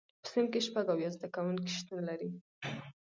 په صنف کې شپږ اویا زده کوونکي شتون لري.